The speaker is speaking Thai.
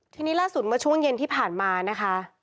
ทีนี้ล่าสุดเมื่อช่วงเย็นที่ผ่านมานะคะ